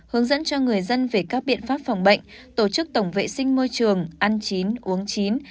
hướng dẫn cho người dân về các biện pháp phòng bệnh tổ chức tổng vệ sinh môi trường ăn chín uống chín